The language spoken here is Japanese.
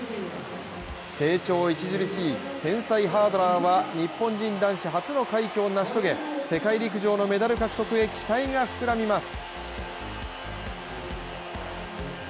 成長著しい天才ハードラーは日本人男子初の快挙を成し遂げ世界陸上のメダル獲得へ期待が膨らみます。